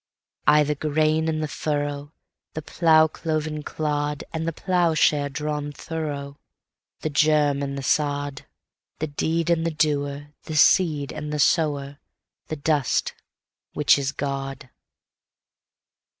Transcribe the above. I the grain and the furrow, The plough cloven clodAnd the ploughshare drawn thorough, The germ and the sod, The deed and the doer, the seed and the sower, the dust which is God.